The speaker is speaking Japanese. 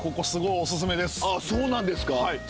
そうなんですか？